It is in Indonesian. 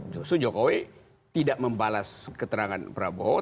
justru jokowi tidak membalas keterangan prabowo